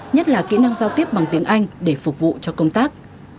nhất là kỹ năng giao tiếp bằng tiếng anh để phục vụ cho công tác